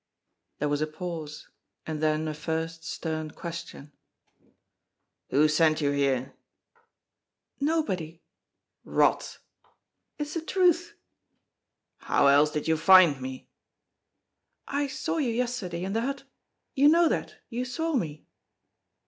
There was a pause, and then a first stern question. "Who sent you here?" "Nobody." "Rot!" "It's the truth." "How else did you find me?" "I saw you yesterday in the hut; you know that; you saw me."